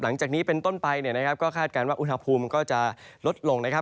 หลังจากนี้เป็นต้นไปเนี่ยนะครับก็คาดการณ์ว่าอุณหภูมิก็จะลดลงนะครับ